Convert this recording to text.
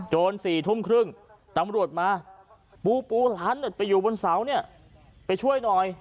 โตน๑๖๓๐นตำรวจมาปูหลานเหนือไปอยู่บนเสามีคนช่วยหน่อย